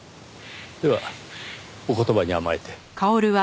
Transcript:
ではお言葉に甘えて。